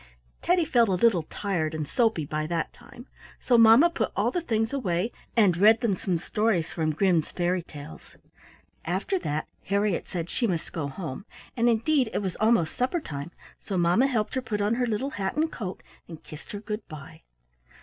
Teddy felt a little tired and soapy by that time, so mamma put all the things away, and read them some stories from Grimm's Fairy Tales. After that Harriett said she must go home, and indeed it was almost supper time, so mamma helped her put on her little hat and coat and kissed her good bye.